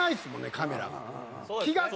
カメラが。